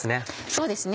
そうですね。